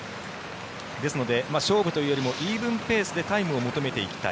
ですので、勝負というよりもイーブンペースでタイムを求めて生きたい。